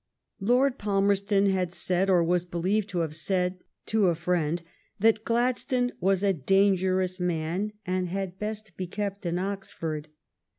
Lord Palmerston had said, or was believed to have said, to a friend, that Gladstone was a dan gerous man, and had best be kept in Oxford.